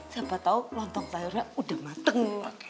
siapa tau lontong sayurnya udah mateng